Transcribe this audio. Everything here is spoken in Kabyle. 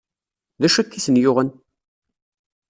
D acu akka i ten-yuɣen?